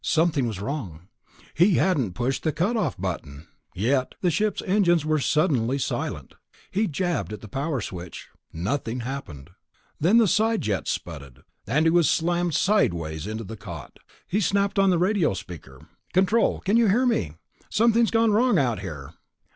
Something was wrong. He hadn't pushed the cut off button, yet the ship's engines were suddenly silent. He jabbed at the power switch. Nothing happened. Then the side jets sputted, and he was slammed sideways into the cot. He snapped on the radio speaker. "Control ... can you hear me? Something's gone wrong out here...."